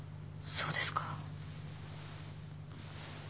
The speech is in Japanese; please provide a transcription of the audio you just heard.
そうですか。